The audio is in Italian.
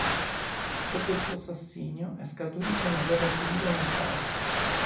Dopo il suo assassinio è scaturita una guerra civile nel Paese.